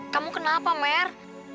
kamu kenapa mer